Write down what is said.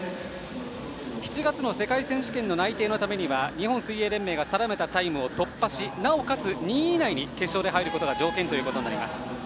７月の世界選手権内定のためには日本水泳連盟が定めたタイムを突破し、なおかつ２位以内に決勝で入ることが条件になります。